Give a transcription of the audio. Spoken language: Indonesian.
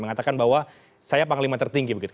mengatakan bahwa saya panglima tertinggi begitu